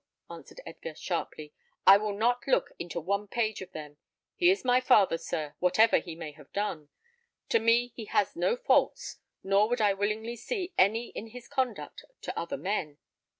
answered Edgar, sharply; "I will not look into one page of them. He is my father, sir, whatever he may have done. To me he has no faults, nor would I willingly see any in his conduct to other men.